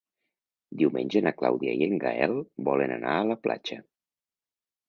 Diumenge na Clàudia i en Gaël volen anar a la platja.